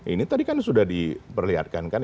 ini tadi kan sudah diperlihatkan kan